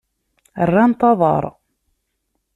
Rrant aḍar.